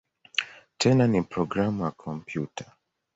Tena ni programu ya kompyuta.